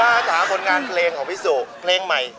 ถ้าถามผลงานเพลงของพี่สุเพลงใหม่